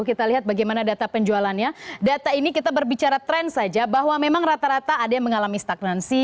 kita lihat bagaimana data penjualannya data ini kita berbicara tren saja bahwa memang rata rata ada yang mengalami stagnansi